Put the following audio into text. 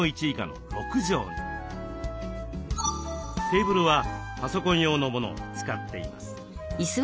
テーブルはパソコン用のものを使っています。